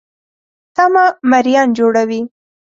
تمه مریان جوړوي.